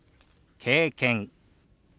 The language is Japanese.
「経験」